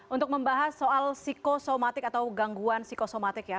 untuk membahas soal psikosomatik atau gangguan psikosomatik ya